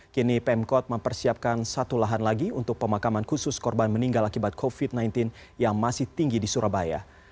kini pemkot mempersiapkan satu lahan lagi untuk pemakaman khusus korban meninggal akibat covid sembilan belas yang masih tinggi di surabaya